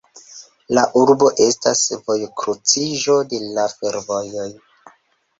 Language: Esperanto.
La urbo estas vojkruciĝo de fervojoj.